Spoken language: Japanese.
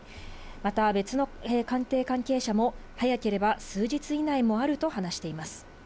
また別の官邸関係者も、早ければ数日以内もあると話しています。